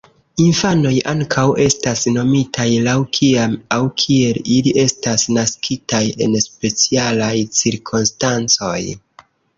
Infanoj ankaŭ estas nomitaj laŭ kiam aŭ kiel ili estas naskitaj en specialaj cirkonstancoj.